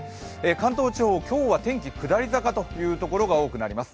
関東地方、今日は天気下り坂というところが多くなってきます。